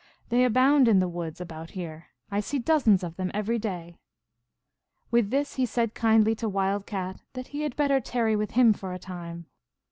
They abound in the woods about here. I see dozens of them every day." With this he said kindly to Wild Cat that he had better tarry with him for a time.